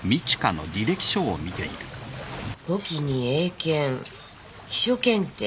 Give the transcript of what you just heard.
簿記に英検秘書検定